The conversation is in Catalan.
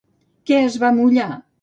Què es va mullar?